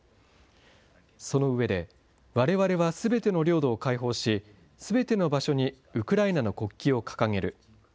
その上で、われわれはすべての領土を解放し、すべての場所にウクライナの国旗を掲げる。